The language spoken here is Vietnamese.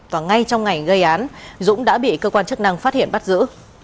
và ngay trong ngày gây án dũng đã bị cơ quan chức năng phát hiện bắt giữ